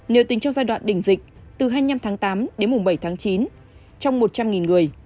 nếu tính trong giai đoạn đỉnh dịch từ hai mươi năm tháng tám đến mùng bảy tháng chín trong một trăm linh người